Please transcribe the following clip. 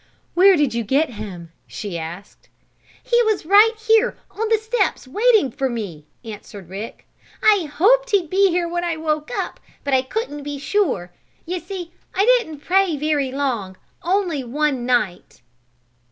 "Where did you get him?" she asked. "He was right here on the steps waiting for me," answered Rick. "I hoped he'd be here when I woke up, but I couldn't be sure. You see I didn't pray very long only one night."